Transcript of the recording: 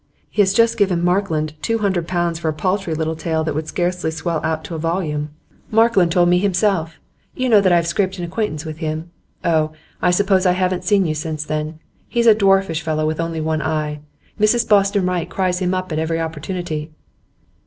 He has just given Markland two hundred pounds for a paltry little tale that would scarcely swell out to a volume. Markland told me himself. You know that I've scraped an acquaintance with him? Oh! I suppose I haven't seen you since then. He's a dwarfish fellow with only one eye. Mrs Boston Wright cries him up at every opportunity.